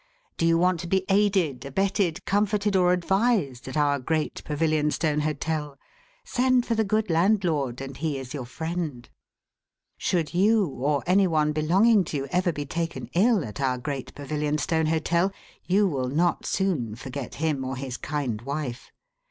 Do you want to be aided, abetted, comforted, or advised, at our Great Pavilionstone Hotel? Send for the good landlord, and he is your friend. Should you, or any one belonging to you, ever be taken ill at our Great Pavilionstone Hotel, you will not soon forget him or his kind wife.